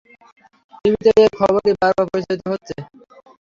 টিভিতে এই খবরই বারবার প্রচারিত হচ্ছে।